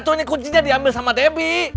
ini kuncinya diambil sama debbie